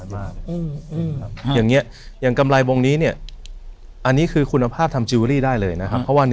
ไม่ถ้าเกิดหล่นไปแล้ว